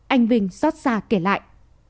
anh vinh xót xa kể lại